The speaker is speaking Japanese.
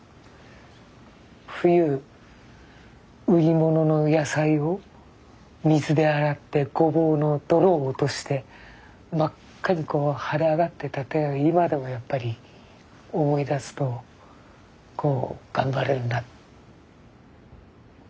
冬売り物の野菜を水で洗ってゴボウの泥を落として真っ赤に腫れ上がってた手を今でもやっぱり思い出すと頑張れるな。